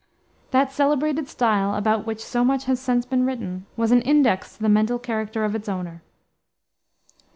That celebrated style about which so much has since been written was an index to the mental character of its owner.